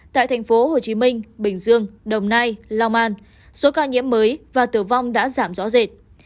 tại tp hcm bình dương đồng nai long an số ca nhiễm mới và tử vong đã giảm rõ rệt